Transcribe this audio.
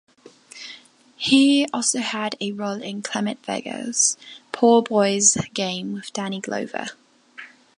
He also had a role in Clement Virgo's "Poor Boy's Game", with Danny Glover.